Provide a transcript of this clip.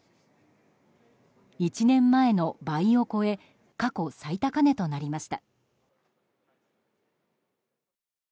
１年前の倍を超え過去最高値となりました。